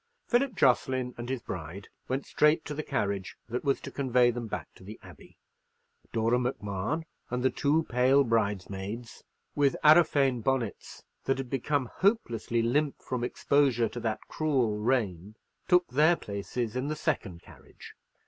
Philip Jocelyn and his bride went straight to the carriage that was to convey them back to the Abbey. Dora Macmahon and the two pale bridesmaids, with areophane bonnets that had become hopelessly limp from exposure to that cruel rain, took their places in the second carriage.